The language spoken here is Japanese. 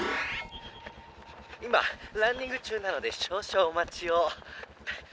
「今ランニング中なので少々おまちを」。